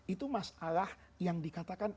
itu masalah yang dikatakan